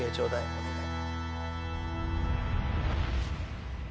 お願い。